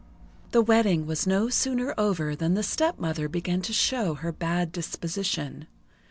The wedding was no sooner over than the stepmother began to show her bad disposition.